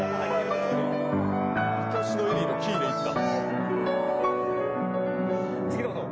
「いとしのエリー」のキーでいった！